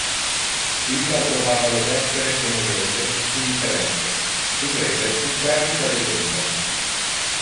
Illa trovava le vespere enoiose e sin interesse, in breve, un perdita de tempore.